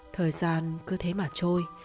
thời gian cứ thế mà trôi